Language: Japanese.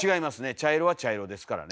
茶色は茶色ですからね。